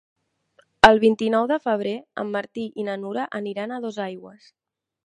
El vint-i-nou de febrer en Martí i na Nura aniran a Dosaigües.